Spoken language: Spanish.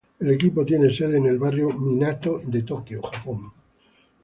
El equipo tiene sede en el barrio Minato de Tokio, Japón.